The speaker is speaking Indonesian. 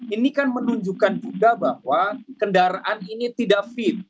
ini kan menunjukkan juga bahwa kendaraan ini tidak fit